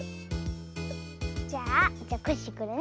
じゃあじゃコッシーこれね。